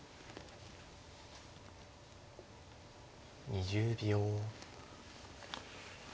２０秒。